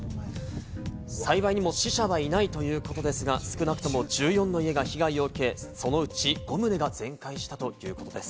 幸いにも死者はいないということですが、少なくとも１４棟が被害を受け、そのうち５棟が全壊したということです。